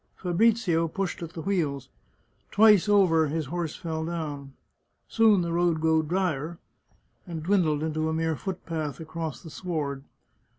Fabrizio pushed at the wheels. Twice over his horse fell down. Soon the road grew dryer, and dwindled into a mere foot path across the sward.